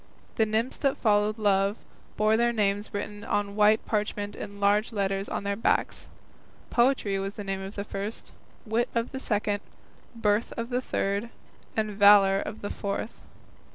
The nymphs that followed Love bore their names written on white parchment in large letters on their backs. "Poetry" was the name of the first, "Wit" of the second, "Birth" of the third, and "Valour" of the fourth.